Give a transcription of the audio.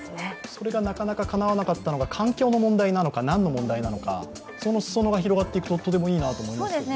それがなかなかかなわなかったのが環境の問題なのか何の問題なのか、その裾野が広がっていくととてもいいなと思いますね。